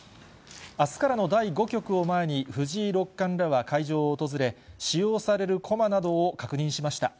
あすからの第５局を前に、藤井六冠らは会場を訪れ、使用される駒などを確認しました。